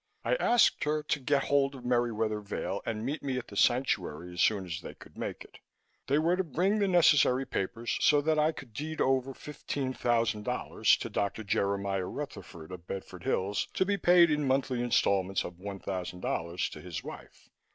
I asked her to get hold of Merriwether Vail and meet me at the Sanctuary as soon as they could make it. They were to bring the necessary papers so that I could deed over $15,000 to Dr. Jeremiah Rutherford of Bedford Hills, to be paid in monthly installments of $1,000 to his wife.